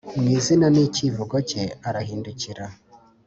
mwizina nicyivugo cye arahindukira